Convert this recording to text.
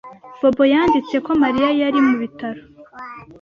Bobo yanditse ko Mariya yari mu bitaro.